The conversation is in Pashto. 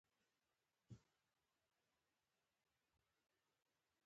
د یو بل زغمل په ټولنه کي د يووالي لامل کيږي.